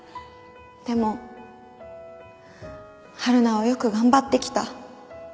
でもはるなはよく頑張ってきた。